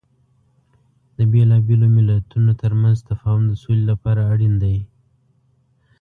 د بیلابیلو مليتونو ترمنځ تفاهم د سولې لپاره اړین دی.